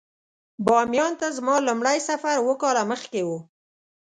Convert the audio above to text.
باميان ته زما لومړی سفر اووه کاله مخکې و.